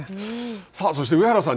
そして上原さん